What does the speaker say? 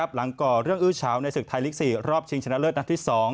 ก่อเรื่องอื้อเฉาในศึกไทยลีก๔รอบชิงชนะเลิศนัดที่๒